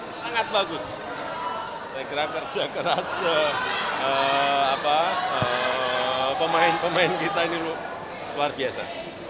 sangat bagus saya kira kerja keras pemain pemain kita ini luar biasa